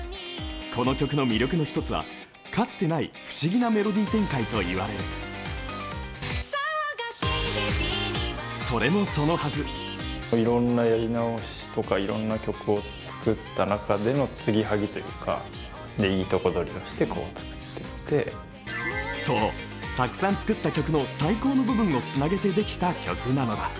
この曲の魅力の一つは、かつてない不思議なメロディー展開と言われるそれもそのはずそう、たくさん作った曲の最高の部分をつなげてできた曲なのだ。